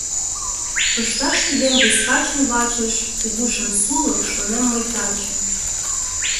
Пышташ кидем вес качын вачыш — Кугу шем сулык, шонем мый таче.